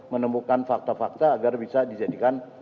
menemukan fakta fakta agar bisa dijadikan